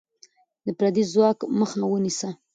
د پردی ځواک مخه ونیسه.